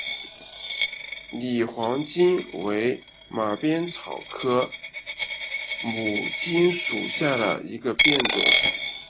拟黄荆为马鞭草科牡荆属下的一个变种。